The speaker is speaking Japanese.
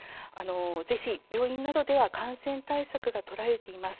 ぜひ病院などでは感染対策が取られています。